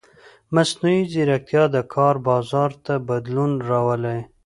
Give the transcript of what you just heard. مصنوعي ځیرکتیا د کار بازار ته بدلون راولي.